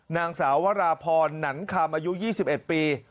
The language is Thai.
นางสาววราพรหนันคำอายุ๒๑ปี